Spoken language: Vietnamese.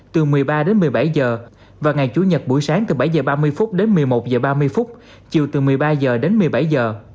từ một mươi ba đến một mươi bảy giờ và ngày chủ nhật buổi sáng từ bảy giờ ba mươi phút đến một mươi một giờ ba mươi chiều từ một mươi ba giờ đến một mươi bảy giờ